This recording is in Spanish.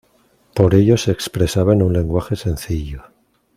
Por ello se expresaba en un lenguaje sencillo.